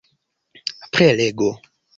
prelego